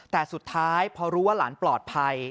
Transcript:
แต่สุดท้ายพอรู้ว่าหลานปลอดภัย